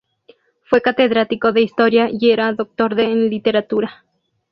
Fue catedrático de Historia y era doctor en Literatura.